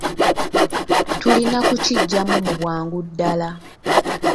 Tulina kukigyamu mu bwangu ddala.